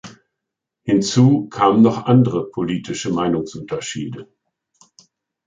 Hinzu kamen noch andere politische Meinungsunterschiede.